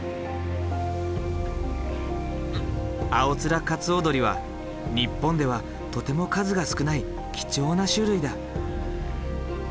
アオツラカツオドリは日本ではとても数が少ない貴重な種類だ。